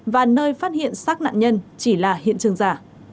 và nơi phát hiện xác nạn nhân chỉ là hiện trường giả